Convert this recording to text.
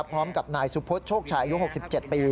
พร้อมกับนายสุพธิ์โชคชายุ่ง๖๗ปี